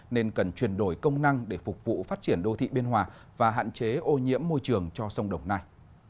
nên cần chuyển đổi công năng để phục vụ phát triển đô thị biên hòa và hạn chế ô nhiễm môi trường cho sông đồng nai